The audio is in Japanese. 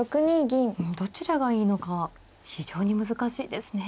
どちらがいいのか非常に難しいですね。